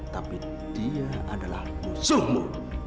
tapi dia adalah musuhmu